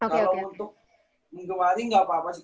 kalau untuk mengemari tidak apa apa